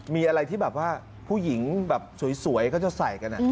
มีอะไรที่แบบว่าผู้หญิงแบบสวยเขาจะใส่กัน